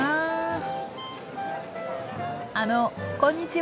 あのこんにちは。